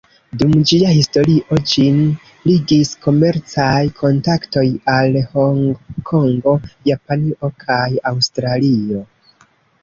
Dum ĝia historio, ĝin ligis komercaj kontaktoj al Hongkongo, Japanio kaj Aŭstralio.